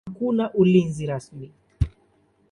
Hakuna ulinzi rasmi.